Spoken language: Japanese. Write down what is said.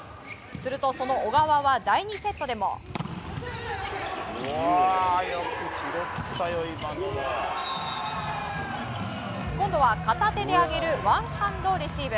すると、その小川は第２セットでも。今度は片手で上げるワンハンドレシーブ。